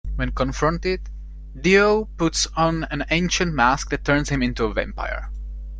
When confronted, Dio puts on an ancient mask that turns him into a vampire.